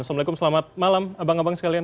assalamualaikum selamat malam abang abang sekalian